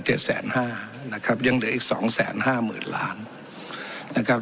แสนห้านะครับยังเหลืออีกสองแสนห้าหมื่นล้านนะครับ